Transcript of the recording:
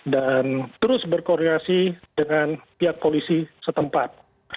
dan terus berkoordinasi dengan pihak polisi setempat